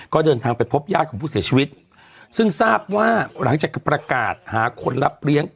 ก็เดินทางไปพบญาติของผู้เสียชีวิตซึ่งทราบว่าหลังจากประกาศหาคนรับเลี้ยง